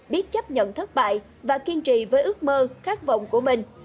biết chấp nhận thất bại và kiên trì với ước mơ khát vọng của mình